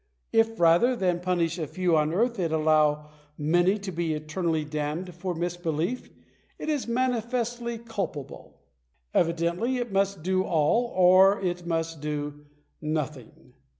If, rather than punish a few on earth, it allows many to be eternally damned for misbelief, it is manifestly culpable. Evidently it must do all, or it must do nothing.